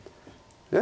えっ？